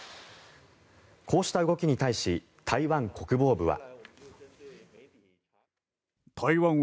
こうした動きに対し台湾国防部は。